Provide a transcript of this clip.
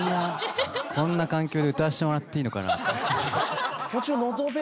こんな環境で歌わせてもらっていいのかな。